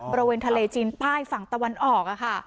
บริเวณทะเลจีนป้ายฝั่งตะวันออก